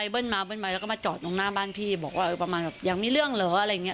เบิ้ลมาเบิ้ลไปแล้วก็มาจอดตรงหน้าบ้านพี่บอกว่าประมาณแบบอยากมีเรื่องเหรออะไรอย่างนี้